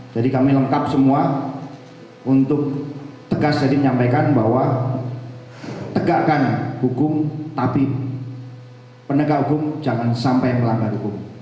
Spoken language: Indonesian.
jadi kami lengkap semua untuk tegas jadi menyampaikan bahwa tegakkan hukum tapi penegak hukum jangan sampai melanggar hukum